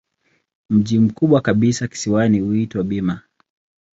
Mji mkubwa kabisa kisiwani huitwa Bima.